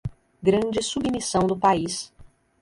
grande submissão do país